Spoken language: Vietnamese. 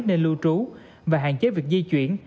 nên lưu trú và hạn chế việc di chuyển